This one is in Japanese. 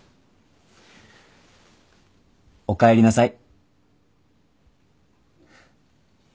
おかえりなさい。